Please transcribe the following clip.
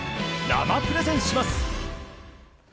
生プレゼンします。